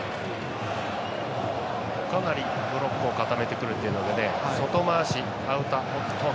かなりブロックを固めてくるというのでね。